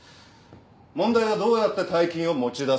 問題はどうやって大金を持ち出すか。